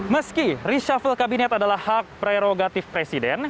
meski reshuffle kabinet adalah hak prerogatif presiden